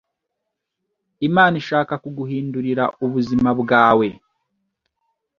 Imana ishaka kuguhindurira ubuzima. bwawe